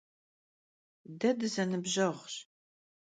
De dızenıbjeğuş.